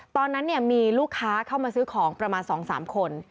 ตอนนั้นมีลูกค้าเข้ามาซื้อของประมาณ๒๓คน